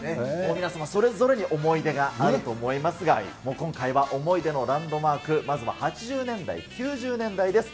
皆様それぞれに思い出があると思いますが、今回は思い出のランドマーク、まずは８０年代、９０年代です。